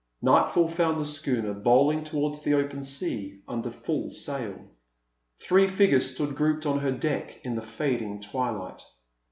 Nightfall found the schooner bowling towards the open sea under full sail. Three figures stood grouped on her deck in the fading twilight.